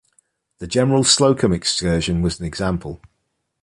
The General Slocum excursion was an example.